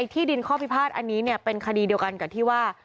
ที่ดินข้อพิพาทอันนี้เป็นคดีเดียวกันกับที่ว่า